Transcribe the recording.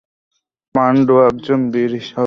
পাণ্ডু একজন বীর হিসাবে চিত্রিত করা হয়েছে।